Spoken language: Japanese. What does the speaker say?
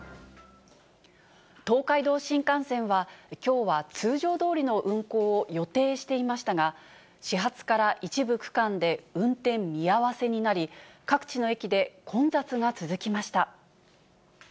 東海道新幹線はきょうは通常どおりの運行を予定していましたが、始発から一部区間で運転見合わせになり、各地の駅で混雑が続きました。